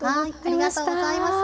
ありがとうございます。